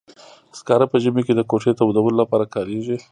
سکاره په ژمي کې د کوټې تودولو لپاره کاریږي.